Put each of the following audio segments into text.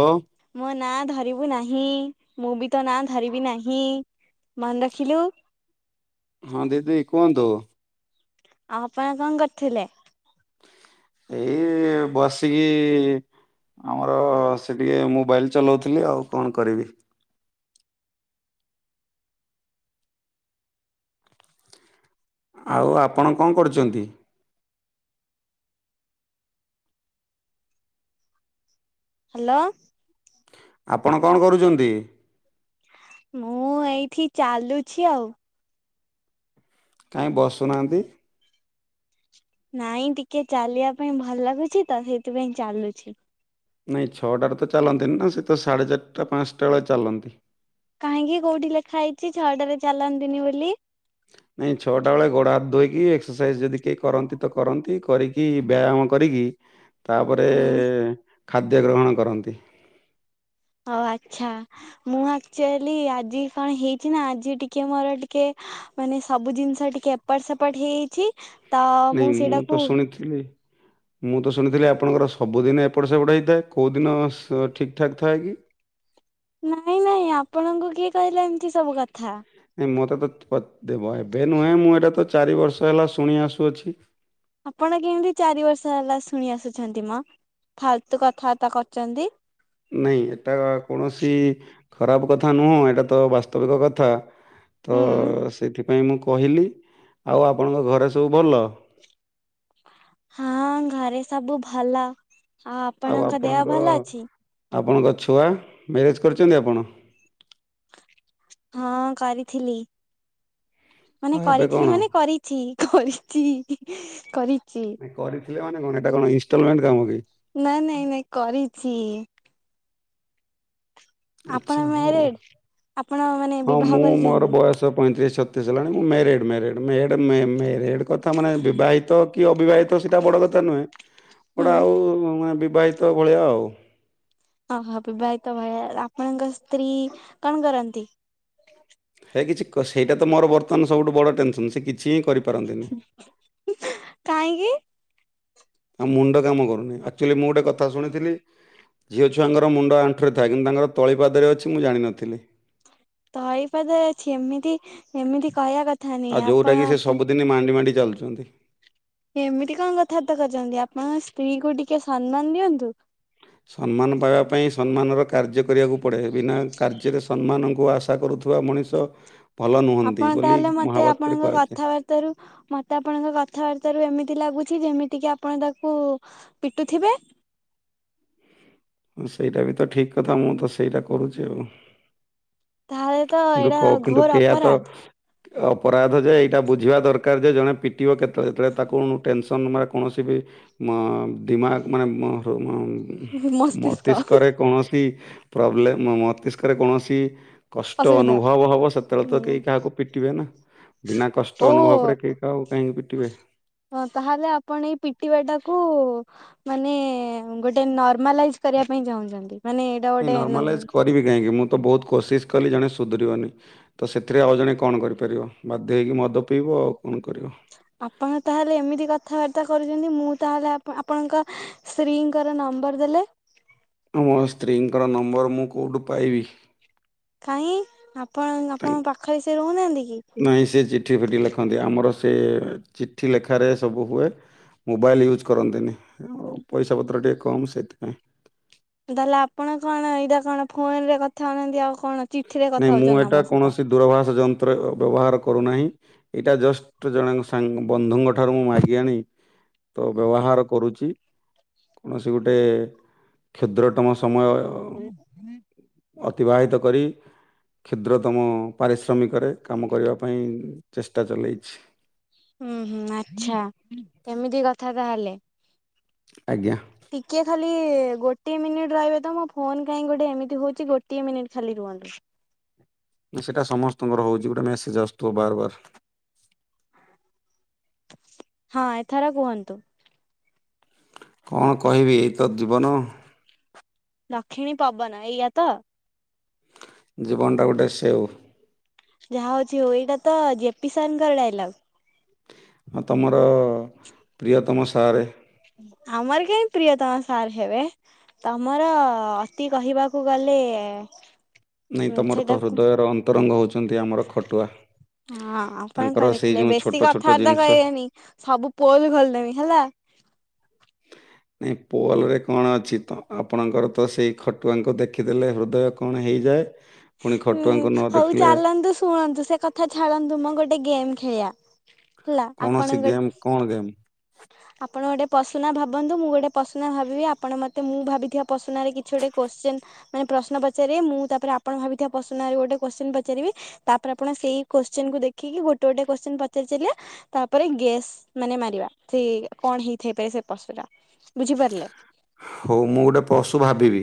ଓଁ ମୋ ନାଁ ଧରିବୁ ନାହିଁ ମୁଁ ବି ତୋ ନାଁ ଧରିବି ନାହିଁ ମନେ ରଖିଲୁ? ହଁ ଦିଦି କୁହନ୍ତୁ। ଆଉ ଆପଣ କଁ କରଥୁଲେ? ଏଇ ବସିକି ଆମର ସେ ଟିକେ ମୋବାଇଲ୍ ଚଲାଉଥିଲି ଆଉ କଣ କରିବି? ଆଉ ଆପଣ କଁ କରୁଚନ୍ତି।? ହାଲୋ। ଆପଣ କଣ କରୁଚନ୍ତି। ମୁଁ ଏଇଠି ଚାଲୁଛି ଆଉ। କାହିଁ ବସୁନାହାନ୍ତି? ନାଇଁ ଟିକେ ଚାଲିବା ପାଇଁ ଭଲ ଲାଗୁଛି ତ ସେଇଥିପାଇଁ ଚାଲୁଛି। ନାଇଁ ଛଅଟାରେ ତ ଚାଲନ୍ତିନି ନା ସେ ତ ସାଢ଼େ ଚାରିଟା ପାଂଶଟା ଏଳେ ଚାଲନ୍ତି। କାହିଁକି କୋଉଠି ଲେଖା ହେଇଛି ଛଅଟାରେ ଚାଲନ୍ତିନି ବୋଲି? ନାଇଁ ଛଅଟା ଏଳେ ଗୋଡ଼ ହାତ ଧୋଇକି ଏକ୍ସରସାଇଜ୍ ଯଦି କେହି କରନ୍ତି ତ କରନ୍ତି କରି କି ବ୍ୟାୟାମ କରିକି ତାପରେ ହୁଁ ଖାଦ୍ୟ ଗ୍ରହଣ କରନ୍ତି। ହ ଆଚ୍ଛା। ମୁଁ ଆକ୍ଚୁଆଲି ଆଜି କଣ ହେଇଛି ନା ଆଜି ଟିକେ ମୋର ଟିକେ ମାନେ ସବୁ ଜିନିଷ ଟିକେ ପଟ ସେପଟ ହେଇଯାଇଛି ତ ମୁଁ ସେଇଟାକୁ ପିଲେ ମୁଁ ତ ଶୁଣିଥିଲି ଆପଣଙ୍କର ସବୁଦିନେ ଏପଟ ସେପଟ ହେଇଥାଏ କୋଉ ଦିନ ସ ଠିକ୍ ଠାକ୍ ଥାଏ କି? ନାଇଁ ନାଇଁ ଆପଣଙ୍କୁ କିଏ କହିଲା ଏମିତି ସବୁ କଥା? ନାଇଁ ମୋତେ ତ ଅ ଦେବ ଏବେ ନୁହେଁ ମୁଁ ଏଟା ତ ଚାରି ବର୍ଷ ହେଲା ଶୁଣି ଆସୁଅଛି। ଆପଣ କେମିତି ଚାରି ବର୍ଷ ହେଲା ଶୁଣି ଆସୁଛନ୍ତି ମ ଫାଲତୁ କଥାବାର୍ତ୍ତା କରୁଛନ୍ତି। ନାଇଁ ଏଟା କୌଣସି ଖରାପ କଥା ନୁହଁ ଏଟା ତ ବାସ୍ତବିକ କଥା। ତ ହୁଁ। ସେଇଥିପାଇଁ ମୁଁ କହିଲି ଆଉ ଆପଣଙ୍କ ଘରେ ସବୁ ଭଲ? ହଁ ଘରେ ସବୁ ଭଲ ଆଉ ଆପଣଙ୍କ ଦେହ ଭଲ ଅଛି? ଆପଣଙ୍କ ଛୁଆ ମ୍ୟାରେଜ୍ କରିଚନ୍ତି ଆପଣ? ହଁ କରିଥିଲି ମାନେ ଆଉ ଏବେ କଣ? କରିଥିଲି ମାନେ କରି ଚି କରିଚି କରିଚି। ନାଇଁ କରିଥିଲେ ମାନେ କଣ ଏଟା କଣ ଇନଷ୍ଟଲମେଣ୍ଟ କାମ କି? ନାଁ ନାଇଁ ନାଇଁ କରିଛି। ଆପଣ ଆଚ୍ଛା ହଉ ମ୍ୟାରେଡ ଆପଣ ମାନେ ହଁ ବିବାହ ମୁଁ ମୋର କରିଛନ୍ତି? ବୟସ ତ ପଇଁତିରିଶ ଛତିଶ ହେଲାଣି ମୁଁ ମ୍ୟାରଡ଼୍ ମ୍ୟାରେଡ଼୍ ମେଡ଼ ମେ ମେରେଡ଼୍ କଥା ମାନେ ବିବାହିତ କି ଅବିବାହିତ ସେଟା ବଡ଼ କଥା ନୁହେଁ ହୁଁ ଗଟା ଆଉ ବିବାହିତ ଭଳିଆ ଆଉ। ଓହୋ! ବିିବାହିତ ଭଳିଆ ଆପଣଙ୍କ ସ୍ତ୍ରୀ କଣ କରନ୍ତି? ହେ କିଛି ସେଇଟା ତ ମୋର ବର୍ତ୍ତମାନ ସବୁଠୁ ବଡ଼ ଟେନସନ୍ ସେ କିଛି ହିଁ କରିପାରନ୍ତିନି। କାହିଁକି। ତା ମୁଣ୍ଡ କାମ କରୁନି। ଆକ୍ଚୁଆଲି ମୁଁ ଗୋଟେ କଥା ଶୁଣିଥିଲି। ଝିଅ ଛୁଆଙ୍କର ମୁଣ୍ଡ ଆଣ୍ଠୁ ରେ ଥାଏ। କିନ୍ତୁ ତାଙ୍କର ତଳିପଦରେ ଅଛି ମୁଁ ଜାଣିନଥିଲି। ତଳିପାଦରେ ଅଛି। ଏମିତି ଏମିତି କହିବା କଥା ନୁହେଁ ଆଉ ଯେଉଁଟାକି ସେ ଆପଣ ସବୁଦିନ ମାଣ୍ଡି ମାଣ୍ଡି ଚାଲୁଛନ୍ତି। ଏମିତି କଣ କଥାବାର୍ତା କରୁଛନ୍ତି। ଆପଣଙ୍କ ସ୍ତ୍ରୀ କୁ ଟିକେ ସମ୍ମାନ ଦିଅନ୍ତୁ। ସମ୍ମାନ ପାଇବା ପାଇଁ ସମ୍ମାନର କାର୍ଯ୍ୟ କରିବାକୁ ପଡ଼େ। ବିନା କାର୍ଯ୍ୟରେ ସମ୍ମାନଙ୍କୁ ଆଶା କରୁଥିବା ମଣିଷ ଭଲ ନୁହନ୍ତି। ଆପଣ ବୋଲି ତାହେଲେ ମତେ ମହାଭାରତରେ ଆପଣଙ୍କ କୁହାଯାଇଥାଏ। କଥାବାର୍ତ୍ତାରୁ ମତେ ଆପଣଙ୍କ କଥାବାର୍ତ୍ତା ର ଏମିତି ଲାଗୁଛି। ଯେମିତି କି ଆପଣ ତାକୁ ପିଟୁଥିବେ। ହଁ ସେଇଟା ବି ତ ଠିକ୍ କଥା ମୁଁ ତ ସେଇଟା କରୁଛି। ଆଉ ତାହେଲେ ତ କିନ୍ତୁ ଏଇଟା କ କିନ୍ତୁ ଘୋର କେୟା ତ ଅପରାଧ ଅପରାଧ ଯେ ଏଇଟା ବୁଝିବା ଦରକାର ଯେ ଜଣେ ପିଟିବ କେତେବେଳେ ଯେତେବେଳେ ତାକୁ ଟେନସନ ବା କୌଣସି ବି ଅ ଦିମାଗ ମାନେ ମ ମସ୍ତିଷ୍କ ମସ୍ତିଷ୍କରେ କୌଣସି ପ୍ରୋବ୍ଲେମ୍ ମସ୍ତିଷ୍କରେ କୌଣସି କଷ୍ଟ ଅସୁବିଧା। ଅନୁଭବ ହେବ ସେତେବେଳେ ହୁଁ ତ କେହି କାହାକୁ ପିଟିବେ ନା ବିନା ଓ କଷ୍ଟ ଅନୁଭବରେ କେହି ଆଉ କାହିକି ହଁ ତାହେଲେ ଆପଣ ଏଇ ପିଟିବା ଟାକୁ ମାନେ ଗୋଟେ ନର୍ମାଲାଇଜ କରିବା ପାଇଁ ଚାହୁଁଛନ୍ତି। ମାନେ ନାଇ ଗୋଟେ ନର୍ମାଲାଇଜ୍ କରିବି କାହିଁକି ମୁଁ ତ ବହୁତ କୋସିସ କଲି ଜଣେ ସୁଧୁରିବନି। ତ ସେଥିରେ ଆଉ ଜଣେ କଣ କରିପାରିବ। ବାଧ୍ୟ ହେଇକି ମଦ ପିଇବ ଆଉ କଣ କରିବ। ଆପଣ ତାହେଲେ ଏମିତି କଥାବାର୍ତ୍ତା କରୁଛନ୍ତି। ମୁଁ ତାହେଲେ ଆପ ଆପଣଙ୍କ ସ୍ତ୍ରୀଙ୍କର ନମ୍ବର ଦେଲେ ମୁଁ ମୋ ସ୍ତ୍ରୀଙ୍କର ନମ୍ବର ମୁଁ କୋଉଠୁ ପାଇବି। କାହିଁ ଆପଣ ଆପଣଙ୍କ ପାଖରେ ସେ ରହୁନାହାନ୍ତି କି? ନାଇଁ ସେ ଯି ଚିଠି ଫିଠ ଲେଖନ୍ତି। ଆମର ସେ ଚିଠି ଲେଖାରେ ସବୁ ହୁଏ। ମୋବାଇଲ୍ ୟୁଜ୍ କରନ୍ତିନି। ପଇସା ପତ୍ର ଟିକେ କମ୍ ସେଥିପାଇଁ। ତାହେଲେ ଆପଣ କଣ ଏଇଟା କଣ ଫୋନ ରେ କଥା ହଉନାହାନ୍ତି? ଆଉ କଣ ଚିଠି ରେ କଥା ହଉଛନ୍ତି। ମୋ ସହିତ ଦୂରାଭାଷ ଯନ୍ତ୍ର ବ୍ୟବହାର କରୁନାହିଁ। ଏଇଟା ଜଷ୍ଟ ଜଣେ ସାଙ୍ଗ ବନ୍ଧୁଙ୍କଠାରୁ ମୁଁ ମାଗି ଆଣି ତ ବ୍ୟବହାର କରୁଛି। କୌଣସି ଗୋଟେ କ୍ଷୁଦ୍ରତମ ସମୟ ହୁଁ ହୁଁ [inaudible] ଅତିବାହିତ କରି। କ୍ଷୁଦ୍ରତମ ପାରିଶ୍ରମିକରେ କାମ କରିବା ପାଇଁ ଚେଷ୍ଟା ଚଲାଇଛି। ହୁଁ -ହୁଁ ଆଚ୍ଛା! ଏମିତି କଥା ତାହେଲେ ଆଜ୍ଞା! ଟିକିଏ ଖାଲି ଗୋଟିଏ ମିନିଟ୍ ରହିବେ ତ ମୋ ଫୋନ୍ କାହିଁ ଗୋଟେ ଏମିତି ହେଉଛି। ଗୋଟିଏ ମିନିଟ୍ ଖାଲି ରୁହନ୍ତୁ। ନା ସେଇଟା ସମସ୍ତଙ୍କର ହଉଛି। ଗୋଟେ ମେସେଜ ଆସଥିବ ବାର ବାର ହଁ ଏଥର କୁହନ୍ତୁ। କଣ କହିବି ଏଇତ ଜୀବନ। ଦକ୍ଷିଣୀ ପବନ ଏଇଆ ତ? ଜୀବନଟା ଗୋଟେ ସେଓ ଯାହା ହଉଛି ହୋଉ ଏଇଟା ତ ଜେପି ସାର ଙ୍କ ଡାଇଲଗ। ଆଉ ତମର ପ୍ରିୟତମ ସାର୍ ଆମର କାଇଁ ପ୍ରିୟ ତମ ସାର ହେବେ। ତମର ଅତି କହିବାକୁ ଗଲେ ନାଇଁ ତମର ତ ସେଇଟାକୁ ହୃଦୟ ରନ୍ତ ସତରଙ୍ଗ ହେଉଛନ୍ତି ଆମର ଖଟୁଆ ହଁ ଆପଣ କଣ ତାଙ୍କର ସେଇ ଦେଖିଲେ ଯେଉଁ ବେଶୀ ଛୋଟ ଛୋଟ କଥାବାର୍ତ୍ତା ଜିନିଷ କହିବେନି ସବୁ ପୁଅ ବି ଭଲଦେମି ହେଲା। [inaudible] ନାଇଁ ପୋଲ ରେ କଣ ଅଛି ତ ଆପଣଙ୍କର ତ ସେଇ ଖଟୁଆଙ୍କୁ ଦେଖିଦେଲେ ହୃଦୟ କଣ ହେଇଯାଏ। ପୁଣି ହୁଁ ଖଟୁଆଙ୍କୁ ନ ହଉ ଦେଖିଲେ ଚାଲନ୍ତୁ ଶୁଣନ୍ତୁ ସେ କଥା ଛାଡନ୍ତୁ ମୁଁ ଗୋଟେ ଗେମ୍ ଖେଳିଆ। କୌଣସି ଗେମ୍ କଣ ଗେମ୍? ଆପଣ ଗୋଟେ ପଶୁନା ଭାବନ୍ତୁ ମୁଁ ଗୋଟେ ପଶୁନା ଭାବିବି ଆପଣ ମତେ ମୁଁ ଭାବିଥିବା ପଶୁନାରେ କିଛି ଗୋଟେ କୋଶ୍ଚିନ ମାନେ ପ୍ରଶ୍ନ ପଚାରିବେ ମୁଁ ତାପରେ ଆପଣ ଭାବିଥିବା ପଶ୍ନରେ ଗୋଟେ କୋଶ୍ଚିନ ପଚାରିବି? ତାପରେ ଆପଣ ସେଇ କୋଶ୍ଚିନ କୁ ଦେଖିକି ଗୋଟେ ଗୋଟେ କୋଶ୍ଚିନ ପଚାରିଚାଲିଲେ ତାପରେ ଗେସ୍ ମାନେ ମାରିବା ସେ କଣ ହେଇଥାଇପାରେ ସେ ପଶୁ ଟା ବୁଝିପାରିଲେ? ହଉ ମୁଁ ଗୋଟେ ପଶୁ ଭାବିବି।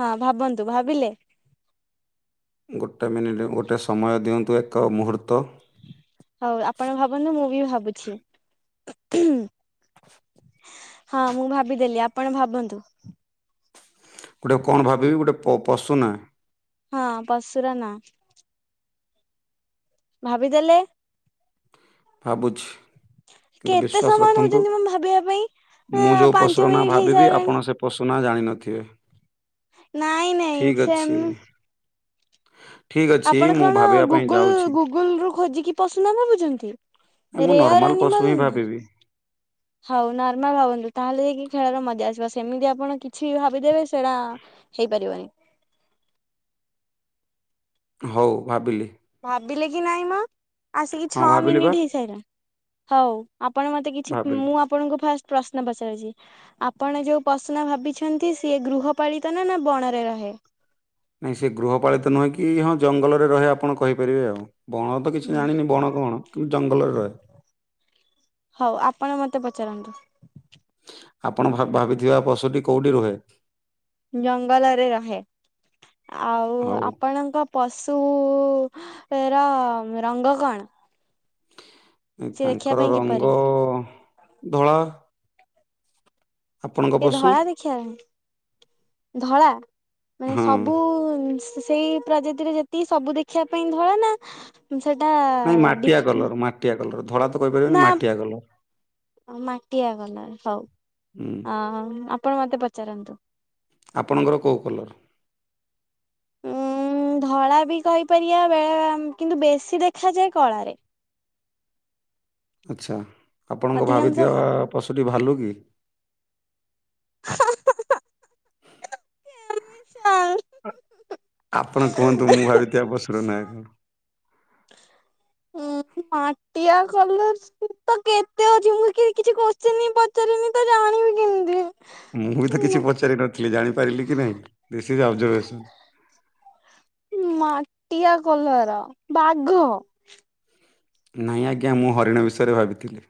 ହଁ ଭାବନ୍ତୁ ଭାବିଲେ? ଗୋଟେ ମିନିଟ୍ ଗୋଟେ ସମୟ ଦିଅନ୍ତୁ ଏକ ମୁହୂର୍ତ୍ତ? ହଉ ଆପଣ ଭାବନ୍ତୁ ମୁଁ ବି ଭାବୁଛି ହୁଁ। [inaudible] ହଁ ମୁଁ ଭାବିଦେଲି ଆପଣ ଭାବନ୍ତୁ? ଗୋଟେ କଣ ଭାବିବି ଗୋଟେ ପ ପଶୁ ନାଁ। ହଁ ପଶୁର ନାଁ। ଭାବିଦେଲେ ଆ ବୁଝି କିନ୍ତୁ କେତେ ବିଶ୍ଵାସ ସମୟ ରଖନ୍ତୁ ନଉଛନ୍ତି ମ ଭାବିବା ପାଇଁ। ହଁ ମୁଁ ଯୋଉ ପାଞ୍ଚ ପଶୁ ର ନା ମିନିଟ୍ ଭାବିବି ହେଇସାରିଲାଣି ଆପଣ ସେ ପଶୁନା ଜାଣିନଥିବେ। ନାଇଁ ନାଇଁ ଠିକ୍ ଅଛି ସେମ ଠିକ୍ ଅଛି ଆପଣ ମୁଁ କଣ ଭାବିବା ପାଇଁ ଗୁଗୁଲ ଯାଉଛି। ଗୁଗୁଲ ରୁ ଖୋଜିକି ପଶୁନା ଭାବୁଛନ୍ତି? ମୁଁ ରେୟାର ନର୍ମାଲ ପଶୁ ଅନିମଲ। ହିଁ ଭାବିବି ହଉ ନର୍ମାଲ ହାବଅନ୍ତୁ ତାହେଲେ ଯାଇକି ଖେଳରେ ମଜା ଆସିବ ସେମିତି ଆପଣ କିଛି ଭାବିଦେବେ ସେଇଟା ହେଇପାରିବନି। ହଉ ଭାବିଲି। ଭାବିଲେ କି ନାଇଁ ମ ଆସିକି ହଁ ଛଅ ଭାବିଲି ବା ମିନିଟ୍ ହେଇସାରିଲା ହଉ। ଆପଣ ମତେ କିଛି, ଭାବିଲି। ମୁଁ ଆପଣଙ୍କୁ ଫାଷ୍ଟ ପ୍ରଶ୍ନ ପଚାରୁଚି? ଆପଣ ଯୋଉ ପଶୁ ଭାବିଛନ୍ତି ସିଏ ଗୃହପାଳିତ ନା ନା ବଣରେ ରହେ? ନାହିଁ ସେ ଗୃହପାଳିତ ନୁହେଁ କି ହଁ ଜଙ୍ଗଲରେ ରହେ ଆପଣ କହିପାରିବେ ଆଉ। ବଣ ତ କିଛି ଜାଣିନି ବଣ କଣ କିନ୍ତୁ ଜଙ୍ଗଲରେ ରହେ। ହଉ ଆପଣ ମୋତେ ପଚାରନ୍ତୁ? ଆପଣ ଭାବିଥିବା ପଶୁ ଟି କୋଉଠି ରୁହେ? ଜଙ୍ଗଲ ରେ ରହେ ଆଉ ହଉ ଆପଣଙ୍କ ପଶୁ ର ରଙ୍ଗ କଣ? ସିଏ ଦେଖିବା ତାଙ୍କର ପାଇଁ କିପରି ରଙ୍ଗ ଧଳା। ଆପଣଙ୍କ ସେ ପଶୁ ଧଳା ଦେଖିବାପାଇଁ ଧଳା। ମାନେ ହଁ ସବୁ ସେଇ ପ୍ରଜାତିରେ ଯେତିକି ସବୁ ଦେଖିବା ପାଇଁ ଧଳା ନା? ସେଟା ନାଇଁ ମାଟିଆ ଡିପ୍ କଲର ମାଟିଆ କଲର ଧଳା ତ କହିପାରିବେନି ନା। ମାଟିଆ କଲର। ମାଟିଆ କଲର ହଉ ହୁଁ ଅ ଆପଣ ମତେ ପଚାରନ୍ତୁ। ଆପଣଙ୍କର କେଉଁ କଲର୍? ଉଁ ଧଳା ବି କହିପାରିବା ବେଳେ କିନ୍ତୁ ବେଶୀ ଦେଖାଯାଏ କଳା ରେ। ଆଚ୍ଛା ଆପଣଙ୍କ ଅଧିକାଂଶ ଭାବିଥିବା କଳା। ପଶୁଟି ଭାଲୁ କି? ତ ଉଁ। ଆପଣ କୁହନ୍ତୁ ମୁଁ ଭାବିଥିବା ପଶୁର ନାଁ କଣ? ଟିଆ କଲର୍ସ। ମୁ ତ କେତେ ଅଉଛି ମୁଁ କିଛି କୋସ୍ଚ ନ୍ ପଚାରିନି ତ ଜାଣିବି କେମିତି। ମୁଁ ବି ତ କିଛି ପଚାରି ନଥିଲି। ଜାଣିପାରିଲି କି ନାହିଁ ଦିଶି ଇଜ୍ ଏ ଅବଜବେସନ୍। ମାଟିଆ କଲର୍ ବାଘ। ନାହିଁ ଆଜ୍ଞା ମୁଁ ହରିଣ ବିଷୟରେ ଭାବିଥିଲି।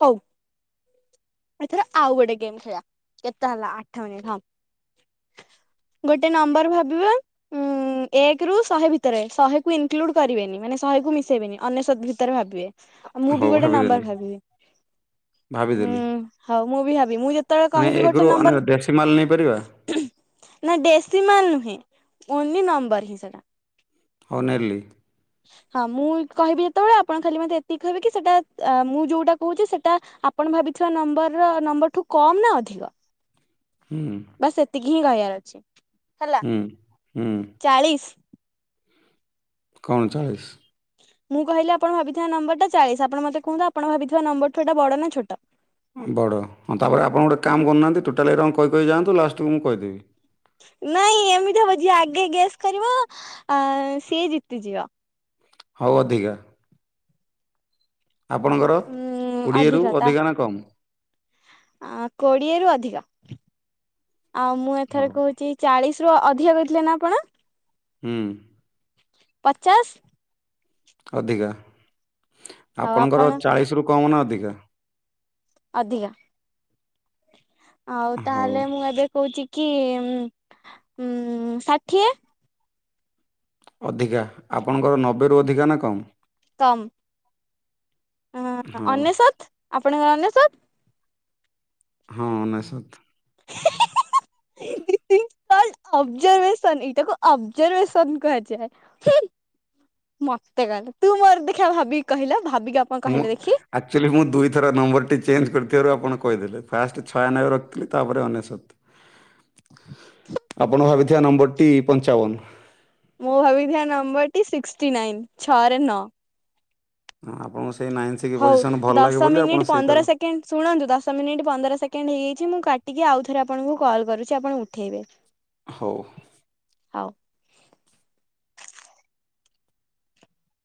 ହୋଉ। ଏଥର ଆଉ ଗୋଟେ ଗେମେ ଖେଲିବା କେତେ ହେଲା ଆଠ ମିନିଟ୍ ହଁ। ଗୋଟେ ନମ୍ବର ଭାବିବ? ଉଁ ଏକ ରୁ ଶହେ ଭିତରେ ଶହେକୁୁ ଇନକ୍ଲୁଡ କରିବେନି ମାନେ ଶହେ କୁ ମିଶେଇ ବେନି ଅନେସୋତ୍ ଭିତରେ ଭାବିବେ? ଆ ମୁଁ ବି ହଉ ଗୋଟେ ନମ୍ବର ଭାବିଦେଲି ଭାବିବି ଭାବିଦେଲି। ହଉ ମୁଁ ବି ଭାବିବି ମୁଁ। ଯେତେବେଳେ ମାନେ କହିବି ଏକରୁ ଗୋଟେ ମାନେ ଦେଶୀ ମାଲ ନେଇପାରିବା ନମ୍ବର। ନା ଡେସି ମାଲ ନୁହେଁ ଓନ୍ଲି ନମ୍ବର ହିଁ ସେଟା। ଅ ନେଲି। ହଁ ମୁଁ କହିବି ଯେତେବେଳେ ଆପଣ ଖାଲି ମତେ ଏତିକି କହିବେ କି ସେଇଟା ମୁଁ ଯୋଉଟା କହୁଛି ସେଇଟା। ଆ ଆପଣ ଭାବିଥିବା ନମ୍ବର ନମ୍ବରଠୁ କମ୍ ନା ଅଧିକ? ହୁଁ। ବାସେ ସେତିକି ହିଁ କହିବାର ଅଛି ହେଲା। ହୁଁ ହୁଁ। ଚାଳିଶି। କଣ ଚାଳିଶି? ମୁଁ କହିଲି ଆପଣ ଭାବିଥିବା ନମ୍ବର ଟା ଚାଳିଶ୍। ଆପଣ ମତେ କୁହୁନ୍ତୁ ଆପଣ ଭାବିଥିବା ନମ୍ବରଠୁ ଏଟା ବଡ ନା ଛୋଟ? ବଡ଼ ହଁ ତାପରେ ଆପଣ ଗୋଟେ କାମକରୁନାହାନ୍ତି ଟୋଟାଲି ଏଇରକମ କହି କହି ଯାଆନ୍ତୁ ଲାଷ୍ଟେକୁ ମୁଁ କହିଦେବି। ନାଇଁ ଏମିତି ହବ ଯି ଏ ଆଗେ ଗେସ୍ କରିବ ଆ ସିଏ ଜିତିଯିବ। ହଉ ଅଧିକା। ଆପଣଙ୍କର କୋଡ଼ିଏରୁ ଅଧିକା ନା କମ୍? କୋଡିଏରୁୁ ଅଧିକା ଆଉ ମୁଁ ଏଥର ହଉ କହୁଚି। ଚାଳିଶି ରୁ ଅଧିକା କହିଥିଲେ ନା ଆପଣ? ହୁଁ। ପଚାଶେ। ଅଧିକା ଆଉ ଆପଣଙ୍କର ଆପଣ ଚାଳିଶି ରୁ କମ୍ ନା ଅଧିକା। ଅଧିକା। ଆଉ ହଉ ତାହେଲେ ମୁଁ ଏବେ କହୁଚି କି ଉ ଷାଠିଏ। ଅଧିକା ଆପଣଙ୍କର ନବେରୁ ଅଧିକା ନା କଣ? ତ। ହ ହଉ ଅନେଶତ ଆପଣଙ୍କର ଅନେଶତ। ହଁ ଅନେସତ। [unintelligible] ଅବଜରଭସନ ଏଇଟାକୁ ଅବଜରଭସନ କୁହାଯାଏ। ମତେ କହିଲେ ତୁ ମୋର ଦେଖିବା ଭାବିକି କହିଲା ଭାବିକି ଆପଣ ମୁଁ କହିଲେ ଦେଖି ଆକ୍ଚୁଆଲି ମୁଁ ଦୁଇଥର ନମ୍ବରଟି ଚେଞ୍ଜ୍ କରିଥିବାରୁ ଆପଣ କହିଦେଲେ ଫାଷ୍ଟ ଛୟା ନବେ ରଖିଥିଲି ତାପରେ ଅନେସତ। [inaudible] ଆପଣ ଭାବିଥିବା ନମ୍ବରଟି ପଞ୍ଚାବନ। ମୁଁ ଭାବିଥିବା ନମ୍ବର ଟି ସିକ୍ସଟି ନାଇନ ଛଅରେ ନଅ। ହଁ ଆପଣଙ୍କୁ ସେଇ ନାଇନ୍ ହଉ ପୋଜିସନ ଭଲ ଲାଗେ ଦଶ ବୋଲି ମିନିଟ୍ ଆପଣ ପନ୍ଦର ସେଇଟାକୁ ସେକେଣ୍ଡ ଶୁଣନ୍ତୁ ଦଶ ମିନିଟ୍ ପନ୍ଦର ସେକେଣ୍ଡ ହେଇଯାଇଛି ମୁଁ କାଟିକି ଆଉଥରେ ଆପଣଙ୍କୁ କଲ୍ କରୁଛି ଆପଣ ଉଠାଇବେ। [inaudible] ହଉ। ହଉ।